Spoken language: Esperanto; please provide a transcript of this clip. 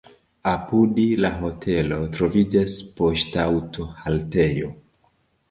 Apud la hotelo troviĝas poŝtaŭto-haltejo.